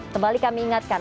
kembali kami ingatkan